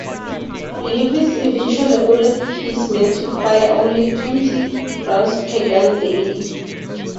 Levis eventually ordered his men to fire only twenty rounds per gun daily.